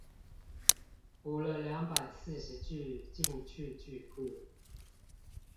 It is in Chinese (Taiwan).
補了兩百四十句進去句庫